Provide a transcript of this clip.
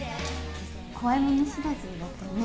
怖いもの知らずだったよね。